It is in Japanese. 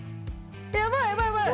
やばいやばいやばい！